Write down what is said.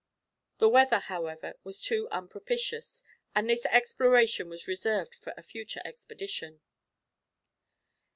The weather, however, was too unpropitious, and this exploration was reserved for a future expedition.